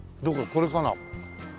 これかな？